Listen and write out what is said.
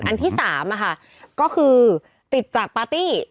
อันที่๓ก็คือติดจากปาร์ตี้